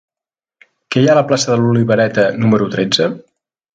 Què hi ha a la plaça de l'Olivereta número tretze?